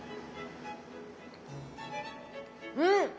うん！